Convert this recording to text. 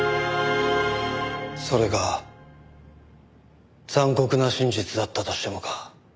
それが残酷な真実だったとしてもか？